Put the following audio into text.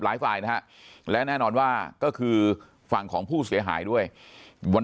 หลายฝ่ายนะฮะและแน่นอนว่าก็คือฝั่งของผู้เสียหายด้วยวัน